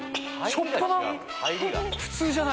しょっぱな？